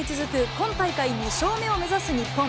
今大会２勝目を目指す日本。